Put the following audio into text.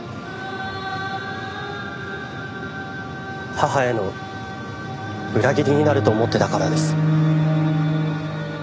母への裏切りになると思ってたからです。